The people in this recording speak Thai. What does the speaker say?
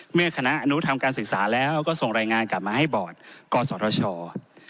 เมื่อคณะอนุทำการศึกษาแล้วก็ส่งรายงานกลับมาให้บอร์ดกศธช